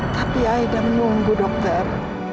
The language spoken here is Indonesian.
tapi aida menunggu dokter